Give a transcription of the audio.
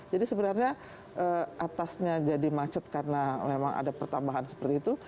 jadi sebenarnya atasnya jadi macet karena memang ada pertambahan seperti itu